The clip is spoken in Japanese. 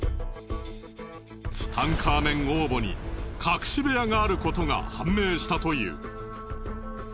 ツタンカーメン王墓に隠し部屋があることが判明したという。